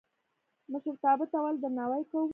مشرتابه ته ولې درناوی کوو؟